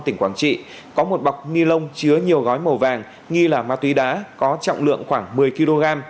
tỉnh quảng trị có một bọc ni lông chứa nhiều gói màu vàng nghi là ma túy đá có trọng lượng khoảng một mươi kg